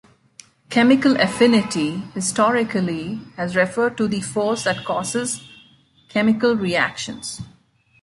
"Chemical affinity", historically, has referred to the "force" that causes chemical reactions.